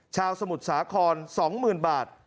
สมุทรสาคร๒๐๐๐บาท